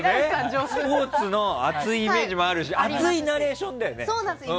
スポーツの熱いイメージもあるし熱いナレーションだよね。